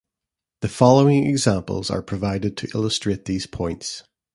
The following examples are provided to illustrate these points.